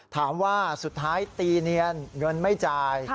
ถามว่าสุดท้ายตีเนียนเงินไม่จ่าย